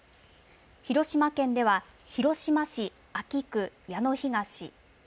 広島県では、広島市安芸区矢野東。